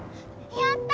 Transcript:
やった！